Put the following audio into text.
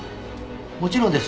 もちろんです。